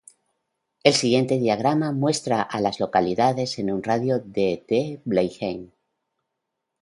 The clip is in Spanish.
El siguiente diagrama muestra a las localidades en un radio de de Blenheim.